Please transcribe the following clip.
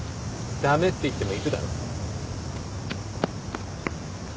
駄目って言っても行くだろ。